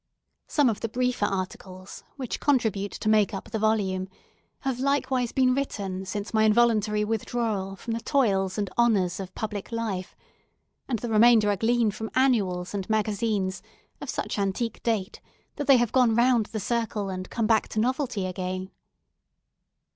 Some of the briefer articles, which contribute to make up the volume, have likewise been written since my involuntary withdrawal from the toils and honours of public life, and the remainder are gleaned from annuals and magazines, of such antique date, that they have gone round the circle, and come back to novelty again.